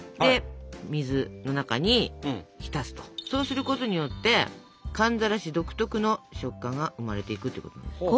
そうすることによって寒ざらし独特の食感が生まれていくっていうことなんですよ。